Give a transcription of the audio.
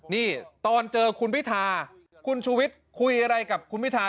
นี่ตอนเจอคุณพิธาคุณชูวิทย์คุยอะไรกับคุณพิธา